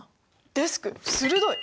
デスク鋭い！